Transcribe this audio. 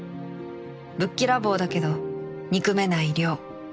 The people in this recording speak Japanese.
ぶっきらぼうだけど憎めない稜